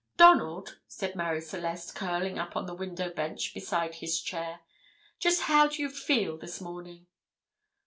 "Donald," said Marie Celeste, curling up on the window bench beside his chair, "just how do you feel this morning?"